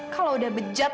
kalau udah bejat